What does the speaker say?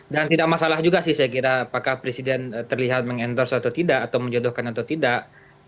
dan tidak masalah juga sih saya kira apakah presiden terlihat mengendorse atau tidak atau menjodohkan atau tidak